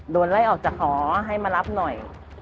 โดนไล่ออกจากหอให้มารับหน่อย